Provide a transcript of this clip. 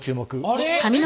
あれ！